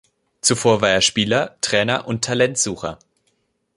Zuvor war er Spieler, Trainer und Talentsucher.